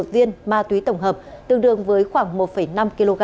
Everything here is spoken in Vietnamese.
ba một trăm một mươi một viên ma túy tổng hợp tương đương với khoảng một năm kg